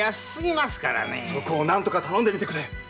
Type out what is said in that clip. そこを何とか頼んでみてくれ。